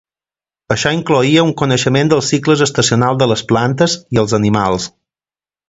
Això incloïa un coneixement dels cicles estacionals de les plantes i els animals.